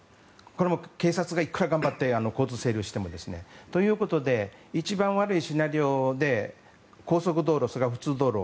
これも警察がいくら頑張って交通整理をしてもですね。ということで一番悪いシナリオで高速道路、それから普通道路